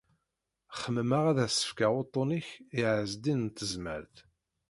Xemmemeɣ ad as-fkeɣ uṭṭun-ik i Ɛezdin n Tezmalt.